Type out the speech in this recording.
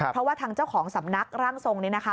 เพราะว่าทางเจ้าของสำนักร่างทรงนี้นะคะ